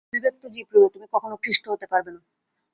অভিব্যক্ত জীবরূপে তুমি কখনও খ্রীষ্ট হতে পারবে না।